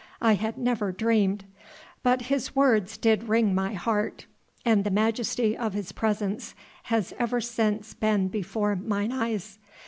I had never dreamed. But His words did wring my heart, and the majesty of His presence has ever since been before mine eyes.